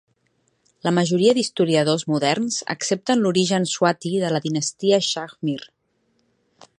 La majoria d'historiadors moderns accepten l'origen swati de la dinastia Shah Mir.